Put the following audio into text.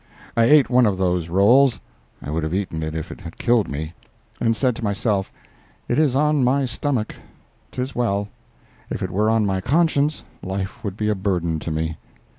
I ate one of those rolls—I would have eaten it if it had killed me—and said to myself: "It is on my stomach; 'tis well; if it were on my conscience, life would be a burden to me."